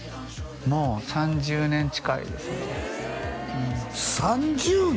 もう３０年近いですね３０年？